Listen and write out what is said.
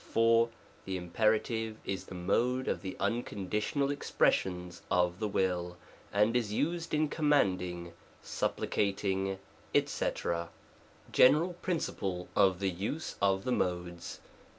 4. The Imperative is the Mode of the unconditional expressions of the will, and is used in commanding, supplicating, &c. GENERAL PRINCIPLE OF THE USE OP THE MODES.